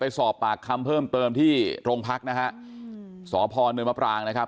สอบปากคำเพิ่มเติมที่โรงพักนะฮะอืมสพเนินมะปรางนะครับ